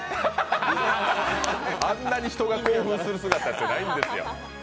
あんなに人が興奮する姿ってないんですよ。